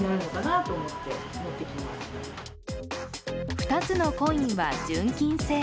２つのコインは純金製。